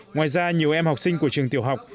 ngoài ra nhiều em học sinh của trường tiểu học